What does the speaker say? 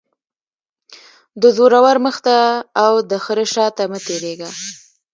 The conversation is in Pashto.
- د زورور مخ ته او دخره شاته مه تیریږه.